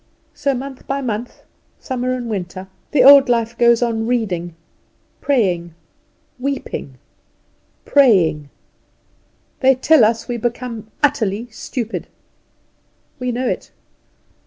So month by month, summer and winter, the old life goes on reading, praying, weeping, praying. They tell us we become utterly stupid. We know it.